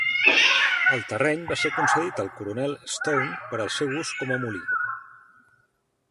El terreny va ser concedit al coronel Stone per al seu ús com a molí.